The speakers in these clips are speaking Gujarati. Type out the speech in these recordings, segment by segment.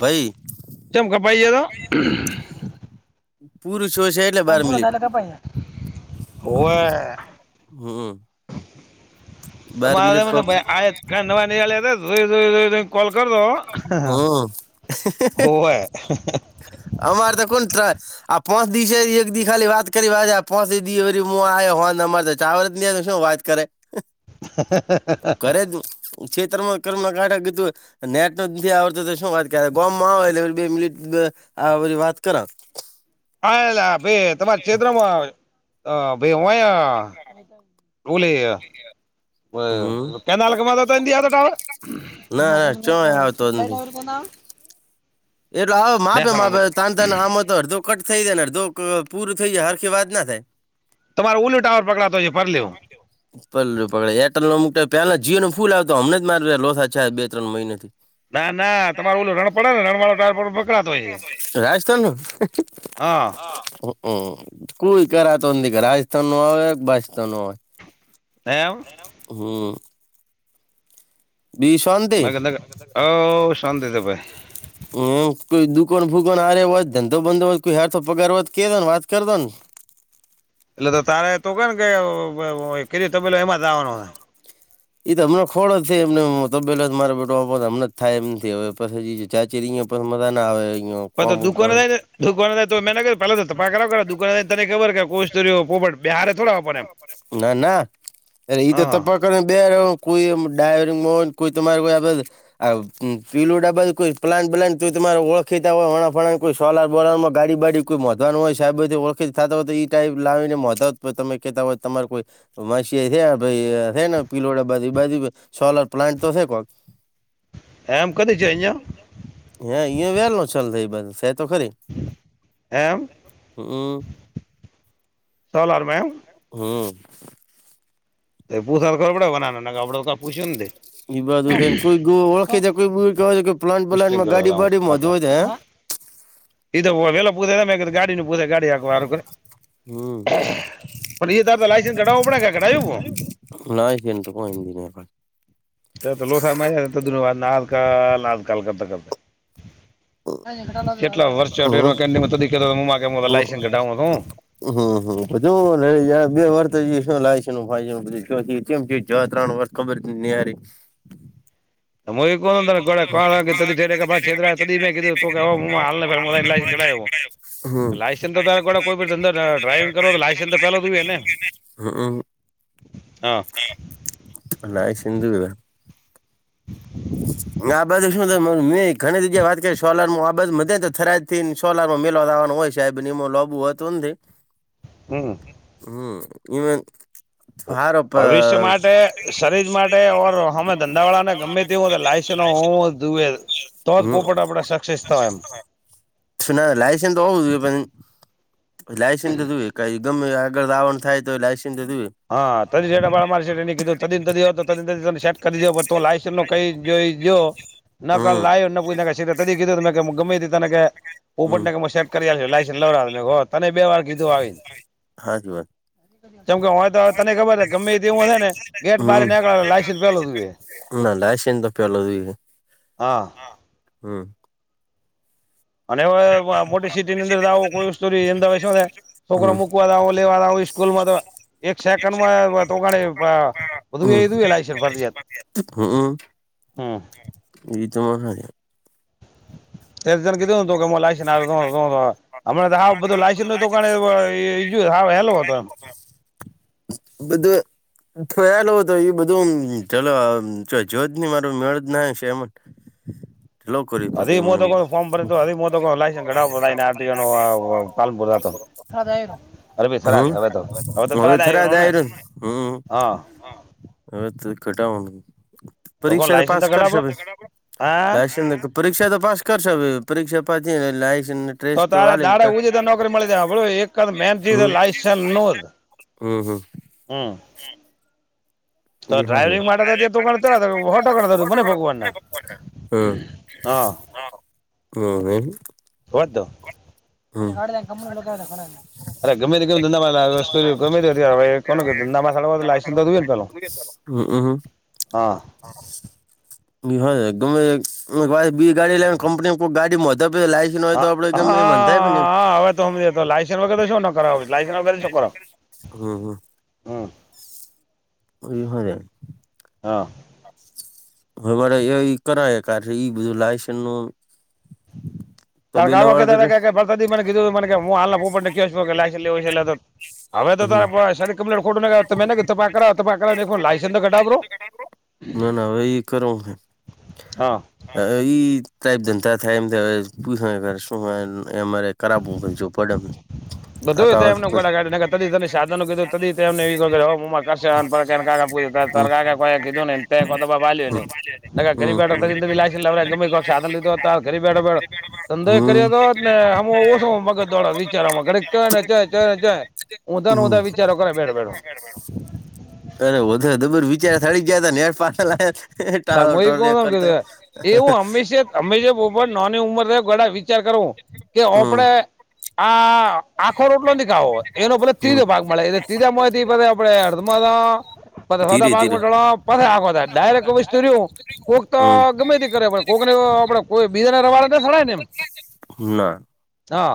ભાઈ ચમકપાઈએ તો પુરુષો છે એટલે ક બાર બરું મિનિટ થાે ક પઈાઈ ઓવે હમ બાર તમારે મિનિટ કો ભાઈ આ કનવાની્યાઈઈ કોલ કર દો હમ હોવે અમાર તો કોણ ટ આ પાચ દિવસે એક દ ખાલી વાત કરીચ આવ્યો હો ચાવ નની શું વાત કરે ઘરે જ છેષતરમાં કરમાં કાઢ કીધું નેટ ન નથી આવડત શું વાત કર ગમાં આવે એટલે બે મિનિટ આધી વાત કર [unintelligible] હા ભાઈ તમારા છેદ્રમાં ભાઈ એલી હમ કેનાલ કે મા તો ટાવ ના હમાં ના ચોય આવતો જ પછટ નથી આવ એટલે હ માપે માપે ત આમ હતો અધો કટ થઈ જાય ને અધો પૂરું થઈ જાય હખી વાત ના થાય તમાર ઉલું ટાવર પકડાતોય છે પર લું [unintelligible] પ પકડે એરટેલ લો મુક પેલા જીઓ નો ફૂલ આવ તો હમ જ માર લો બે ત્રણ મહિના થી ના ના તમારરો ઓલ રણ પડે ને રણ વાળો ટ પકડાતો હોય છે રાજસ્થાન નું હા મ કોુઈ કરા તો દક રાજસ્થાન નું આવે બાસ્થાન નું આવે એમ હમ બીષ મે શંતે દ ભાઈ હમ કોઈ દુકોન ફુકોન આરે હોત ધંધો બંધો કોઈ હારથો પગાર હો કે દોને વાત કર દો ને એટલે તો તારેા તું ક ને કે કેીધું તબેલો એમાં જ આવવાનો એ તો હમને ખો જ છે એમને તબેલા જ મારા બેઠો આપ હમં જ થાય એમ નથી હવે પા ચાચીરીંયા પણ મજા ના આવે અં પ તો દુકાનને દુ તો મે્યું પેલાાવ દુકને ખબર કે કો પોપટ બિહારે થોડા આપણને એમ ના ના અરે ઈ તો હા તપક બે કોઈ ડાઈવિંગ કોઈ તમારે કોઈ આ પીલુંડાબ કોઈ પ્લાન પ્લાન તમારે ઓળખીતા હોય વણાફળ કોઈ સોલાર બોલ માં ગાડી બાડી કોઈ મોોવાનું હોય સાહેબધી વળખે થતા હોય ઈ ટાઈપ લાવીને નતા હોત તમે કહેતા હોય તમારે કોઈ ઉમા શી છે ભાઈ થને પિલોડ બધી બધી સોલર પ્લાન્ટ તો છે કોક એમ કદી છેઈયા હે ઈ વ્યાલ ન ચાલ થ બા સે તો ખરી એમ હમ સોલારમાં એમ હમ તો પૂસા તો ખબડેના ના આપડ તો કઈ પૂછ્યું ને એઈ બાધુ થ ને કોઈ ઓળખી દ કો કય પ્લાન્ટ પ્લાન્ટ ડિસ્ટિંગ માં કરવા ગાડી લાવું બાાડીમાં આખવા હોય એ તોવેલા પ પોતા ગડીનીુ ગાડી પણ હમ ત લસન્સ ઘાવવો પડે્યું ના છેને તો કોઈ એ ન તો લોકસાહેબ માન વા આજકાલ આજકાલ કરતા કરતા કેટલા વર્ષો લ હમ ડઉ હતું હમધું બે વર્ષ શું લાવ છેાય ત્રણ વર્ કબર નિહારી કો મે કીધું હ હમ લાયસન્સ તો તારે કોઈ ધંધા ડ્રાઈવિંગ કરો તો લાયસન્સ તો પેલો જોુંને હા ના [unintelligible] ના બધ મે ઘણી જીગ્યા વાત કરી સોલાર માં આ બધ મ તો થરાજ થી સોલાર માં મેલા લવાનો હોય છે. [inaudible] નિમો લોબુ હોય તોંધે. હમ હમ વે ભવિષ્ય માટે શરીર માટે ઓર અમે ધંધાવાળાને ગમે તે લાયસ હું જોુએ તો જ હમ પોપટ આપડે સક્સેસ થ એમ ના લાયસન્સ તો હોવું કે પછી લાયસન્સ જોુવે કઈ ગમે આગળ રાવણ થાય તો લાયસન્સ દુવે હા ત રેડાા મારી એ કીધું ત તો ત શેટ કરી દે લાય ન કઈ જોઈ જો ન ક હમ લાય્યો ત કીધું [unintelligible] [inaudible] હમ ઉપપટનગર માં સેટ કરી્યા લાયસ લાવ મે તને બે વાર કીધું આવીને. હા [unintelligible] કેમ કે હય તો તને ખબર છે ગમે તે એવું ને ગેટ બહાર નીકળે લાયન્સ પેલું જુવે. [unintelligible] હમ. અને હવે મોટી સિટી ની અંદર આવો કોઈ શ હમ છોકરા મુકવા દવો લેવા દવો સ્કૂલમાં તો એક સેકન્ડ માં તો બધું એ [inaudible] હમ ફરજીયાત. હમ હમ. એ તો [unintelligible] તે તને કીધું હતું લાઇસન. [unintelligible] હમણા તો હાવ બધું લાયસન્સ તો હ હેલો હતો એમ. બધું જોયાલ હો તો એ બધું ચલો જો જ નહી માર મેળ જ ના શમન લો કર પછી હજી એમને. [unintelligible] [inaudible] હમ હવે તો હવે તો થરાદ આવ્યો રહ્યો થરા ને [unintelligible] હમ હમ. હા અ વેત ઘટ કોણ પરીક્ષા તો લાયસન્સ પાસ કઢાવ કરશો હા લાઇસન પરીક્ષા તો પાસ કર સ પરીક્ષા પાસ લાઈસન ટ્રેસ તો તારે દાડે ઉજે તો નોકરી મળી જાય બોલો એક જ મેન ચીજ હમ. લાયસન્સ નો જ હમ હમ. હમ. તો હમ ડ્રાઈવિંગ માટે [unintelligible] હોટો મને ભગવાન ના? હમ હા. હમ હ. હો તો [unintelligible] [inaudible] અરે ગમે ગમે ધંધામાં ગમે કો ધંધામાં લાયસન્સ તોયું. [inaudible] હમ હમ. હ ગમે બી ગાડી લેને કંપની કોઈક ગાડી [unintelligible] લાયસ ન હો હા તો આપડે ગમ એંધ. હા હવે તો સમજે તો લાયસન્સ વગર તો શું ન કરાવ લાયસન્સ વગર શું કરાવ [inaudible] હમ. હમ. એ હો. હા. હવે મારે એ કરાવ કાર છે ઈ બધું લાયસન્ નું. તારા તબેલા કાકા વાળા કેતા કરે હતા ભસા મને કીધું મ હું હાલનાપને કે છ લાઈસન લવું છે એ તો. હવે તો ત હમ. ક્પલેટ ખોટું તમેને પા કર પાક લાયસ ઘટા. ના ના હવે એ કરો. હા હ ટ જનતા થાય એમ હવે પૂછ શું અમારે ખરાબજું પડમ [unintelligible] બધુંમને તને સાધનનું કીધું ત એને એ હું કર હમ [unintelligible] નઈ તા ઘરી હમ બેઠ હમ. ત લ ગમે લીધો ઘ બેઠો બે ધંધોય કર્યો હમ હતો. ને હમું ઓછ મગજ દ્વારા વિચારમાં કર ચ ને ચ ચ ને ચ ઉધા ને હમ ઉધા વિચારો કરે બેઠો બેઠો. અરે વધારે દબર વિચાર થડી જયા ત ને પા તરમોઈ ટાળળ [unintelligible] કરતા. અમે જે બઉ નાની ઉંમર ગ વિચાર કરવું કે હમ આપડે આ આખો રોટલો ન ખાવો એનો પ હમ ત્રીજો ભાગ મળે એટલે ત્રીજાય થી આપડે અડધમા ધીરે પતાા ભાગ મ ધીરે પ આ ડાયરેક્ટ [unintelligible] વિસ્તુર કક તો હમ ગમે તે કરે પણ કોઈકનેડે કોઈ બીજા ના રવાડડા ના શડાય ને એમ હ ના હા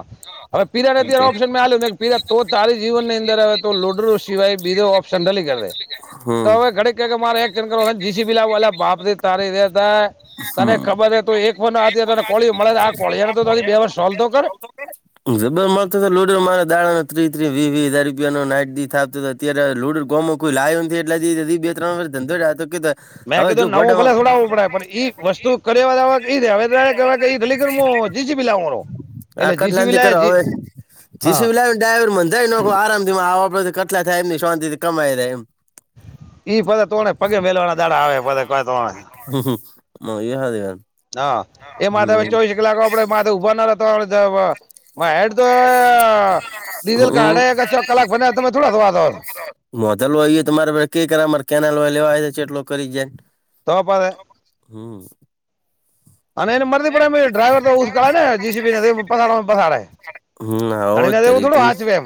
હવે પીરાને અત્યારે ઓપ્શન મે આલ્યું મે પીલા તો તારી જીવન ની અંદર હવે તો લોડરો સિવાય બીધો ઓપ્શન નલી કરી દે હમ તોવે ઘડી ક મારે કર જીસી બી લ બાપથી તારેે હતા તને હમ ખબર છે તું એક વર આ તને કોળી મળે આ કોળીને તો બે વરષ સોલ તો કરે જબર મસ્તતો લુડો મારા દાડા ન ત્રી ત્રી વી વી હાજાર રૂપિયા નો નાટ થાપતો અત્યારે લુડ ગમો કોઈ લાયું નથી એટલેી બે ત્રણ વર્ષ ધંધો રહ્યોતો કે મેં કીધું નવો ભલે થોડાવો પડે પણઈ વસ્તુ કરે એ દવેદ્ર કેવા કે ઢલીકણ મું જીસીબી લાવવાનો. આ એટલે જીસીબી કટલાથી લાય કરો જી હવે હા જીસી લાવેને ડ્રાઈર મન જઈ નખો આરામ માં આવ આપડેથી કેટલા થાય એમની શાંતિથી કમાઈાય એમ ઈ ફ તોને પગે વહેલ વાળા દાડા આવે પ ક ત મ હા દવા હા એ માથે હવે ચોવીસ કલાક આપડે માથે ઉભા નાતો હ એડ તો ડીઝલ હમ કાઢે ચો કલાક બને્યા તમે થોડા વાંધો છો મોઢલ હોય તમારે કઈ કરરે કેનાલ હોય લેવાટલો કરી જાય તોપ આવે હમ. અને એને મળરતી પડે ડ્રાઈવર તો ઉ્ળે ને જીસીને પવા પસડે હમ આવો જાણી ના દેવું થોડું તરીકે સાચવે એમ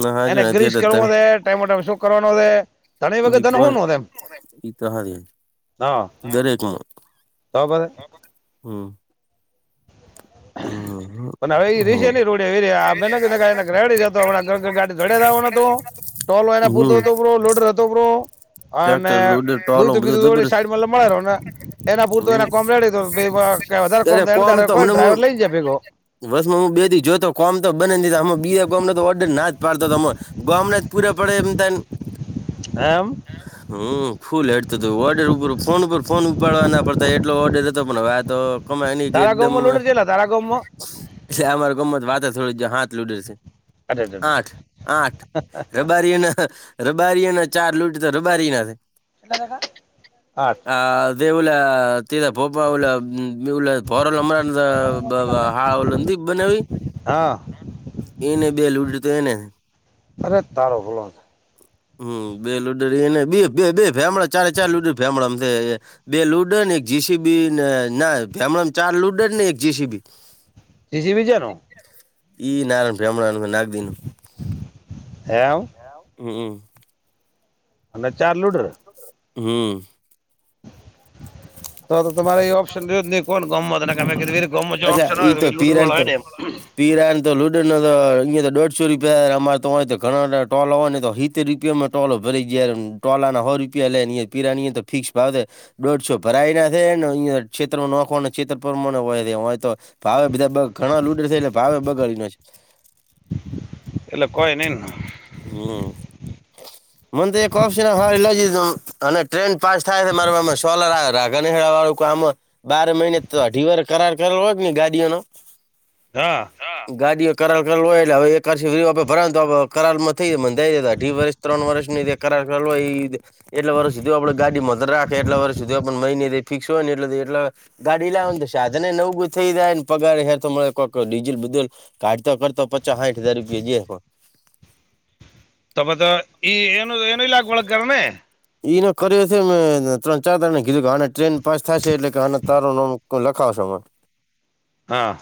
ના હા જો એને ગ્રીસ કરવું અત્યારે ટાઈમ ટાઈમ શું કરવાનો છે તને વગર ઈ ધન હો કોણ ન તેમ ઈ તો હારી હા દરેકમાં તો બ હમ હમ પણ હવે એ ર હમ છે નને રોડ રડી ગાડી ચડ હતો હમ ટો પૂરતો લોડ ટ્રેક્ટર અને લોડર દ ટોલો બધું બીધું દોડે જબર સાઈડમાં લ મળે ને એના પૂરતો હમ એના કોમરેડ વધારે કોમકો ડ્રાઈર લઈ જા બસ માં હું બે થી જોતો કોમ તો બને જ ન હ બીજ કોમ ઓર્ડર ના જ પાડતો તરો ગમને જ પૂરે પડે એમને એમ હમ ફૂલ હેડતું હતું ઓર્ડર ઉપર ફોન ઉપર ફોન ઉપાડવા ના પડતા એટલો ઓર્ડર હતો પણ વાતો ક એની તારા એકદમ ગામમાં લોડર ચેલા તારા ગામમાં અમારે ગમત વાત થોડી હાથ લુડેર છે. અરે અરે અરે. આઠ આઠ રબારીના રબારી અને ચાર લૂટ તો રબારી ના આઠ આ દેવલે તીધ પોપ પોરલમણા હાલી બનેવી હા એને બે લુડ દ એને અરે તાર હલો હમ બે લુડડી એને બે બે બે ફેમડા ચારે ચાર લુડડી ફેમડા બે લુડન એક જીસીબીને ના ભેમ ચાર લુડન ને એક જીસીબી તીજી બીજા નો એ નારાયણ ભ્રહ્ણંદ નાગ દીનું એમ હમ્મ બચા ચાર લૂડર હમ્મ તો તો તમારે એ ઓપ્શન રહ્યો જ નહીં કોણ ગમો તને તમે કીધું વીર ગમો જો અચ્છા ઓપ્શન હોય એઈ તો લૂડર પીરન વાળો હોય ત ને એમ પીર તો લુડને તો તો દોઢસો રૂપિયા અમારે તો ઘણા ટોલ હવા ને તો એતતે રૂપિયામાં ટોલ ભરી જાય ટોલના હો રૂપિયા લેનીહી પરાનીએ તો ફિક્સ ભાવેય દોઢ છો ભરાય ના થ ને અંયા છેતત્ર ન નાખવા છેેત્ર પરમા હોય હોય તો ભાવે બધા ઘણા લૂડર થ એટલે ભાવે બગાડીને છે. એટલે કો નઈ હમ્મ મને તે કોક છ ને હાય લઈ અને ટ્રેન પાસ થાય મારા સોલરને [unintelligible] વાળું આમ બાર મહિને તો અઢીવાર કરાર કરેલો હોયજ ને ગાડીઓનો હા હમ્મ ગાડીઓ કરાર કરવુ એટલે હવે એકી [unintelligible] પરરાંતુ કરારમાં થઈ જ મંધાઈ દતા અઢી વર્ષ ત્રણ વર્ષ ની જે કરાર કર એ એટલા વર્ષ સુધી આપણે ગાડી મર રાખે એટલા વર્ષ સુધી પણણ મહિનેથી ફિક્સ હોય ને એટલે એટ ગાડી લાવવા ને તો સાધને નવું થઈ જાય ને પગાર હેાર તો મળે કોઈક ડીઝલ બધલ કાઢતો કરતો પચાસ સાઠ હજાર રૂપિયા જએ પણણ તપ તો એ એની એનઈલાખ વળ કરને એનો કર્યો છે મેં ત્રણ ચાર તણ ને કીધું કે આ ટ્રેન પાંચ થાય છે એટલે કે આ તારો લખાવશોને હા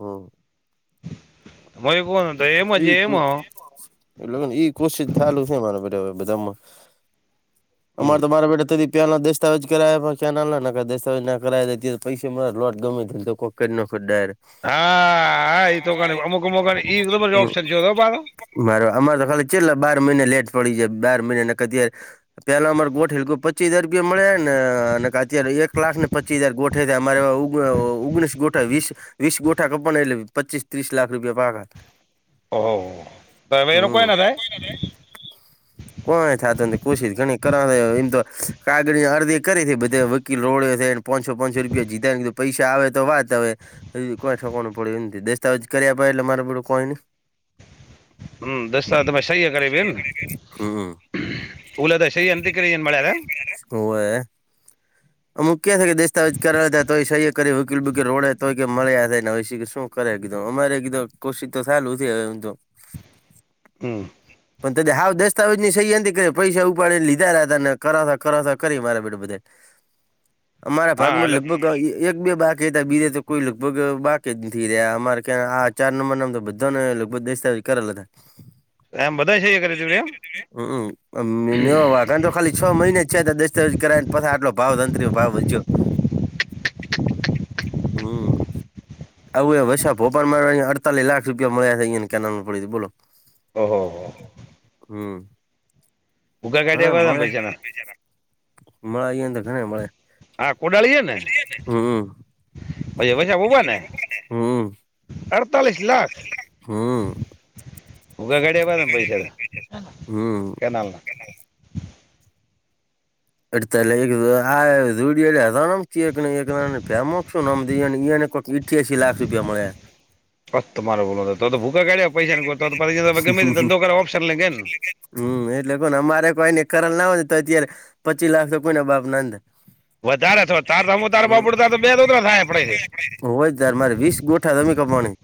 હ વય કન ક એટલે ને કોશિ ચાલું છે મારા બ બધામાં અમારે હમ. તો મારા [unintelligible] રૂપયા ના દસ્તાવેજ કરાવ ક્યાં ના લ દસ્તાવેજ ના કરાવે ત્યારે પૈસા મા લોટ ગમે તો [unintelligible] ફદાર હા એ તો ગની અમુક અમુક ગની એ તો ઓપ્શન જો દો બાધો મારો અમારે તો ખાલી છેટલા બાર મહિને લેટ પડી જાય બાર મહિને અત્યારે પેલા અમારે ગોઠલ પચીસ હજાર રૂપિયા મળે ને અને અત્યારે એક ક્લાસ ને પ પચી હજાર ગોઠ અરે ઓગણીસ ગોઠ વીસ વીસ ગોઠા કપ એટ પચીસ ત્રીસ લાખ રૂપિયા પાકા હતા હવ [unintelligible] કોણ થ કોશિશ ગણી કરવા એમ તો કાગળ અરજી કરી બધે વકીલ રોડ્યો છે. પોણસો પાંચસો રૂપિયા જીધ ને કીધું પૈસા આવે તો વાત હવે એ કોઈઠકવાનું પડ્યું એ નથી દસ્તાવેજ કર્યા પ એટલે મારે બડું કોઈ નઈ હ દસ્તાર તમે સહી્ય કર બ હમ ઉલે [unintelligible] સહી અને ટનીકરી મળ ઓય અમુક ક્યા થ કે દસ્તાવેજ કરાવ ત તો સહી કરી વકીલ બ કે રો તોય કે મળ્યા થાય ને શું કરે એક અમારે એક કોશી ત [unintelligible] હહમ્મ પણ ત હાવ દસ્તાવેજ ની સહંતિ કરીે પૈસા ઉપાડને લીધા હતા ને કરાતા કરાતા કરીે મારા બેડું બધે અમારા હા ભાગમાં એટલે લગભગ એક બે બાકી હતા બીજે તો કોઈ લગભગ બાકી જ નથી રહ્યા અમારે ક્યા આ ચાર નંબર નામ તો બધા ને લગભગ દસ્તા કરેલા હતા એમ બધા સહી કરી હતી એમ મે આઘા તો ખાલી છ મહિને જ છે દસ્તાવેજ કરાય પછી આટલો ભાવ તંત્રી ભાવ વધ્યો હા આવું એ વા ભોપાલમાં અડતાલીસ લાખ રૂપિયા મળ્યા કેના પડી બોલો ઓહો હમ ઉગા ગાડી ઘણા આવ્યા ને મળે પૈસા ના મળ તો ઘણા મળે હા કોડાળીએ ને હમ પછ વૈછા બોવાા ને હમ અડતાલીસ લાખ હા ઉગા ગાડી્યા બાને પૈસા તો હમ કેનાલ ના એ એટલે આડીમ ફેમુંમ અઠ્યાસી લાખ રૂપિયા મળ્યા પ તમારે બોલો તો ભૂકા કાઢે પૈસા ને તોછ ગમે ધંધો કર ઓપ્શન લેને હમ એટલે કોણ અમારે કોઈને કરલ ના હો તો અત્યારે પચીસ લાખ તો કોઈના બાપ નાંધા વધારે તાર તો હું તાર બાપડ ત તો બે દોતરા થાય આપડે હોય તાર મારે વીસ ગોઠા જમી કપવાની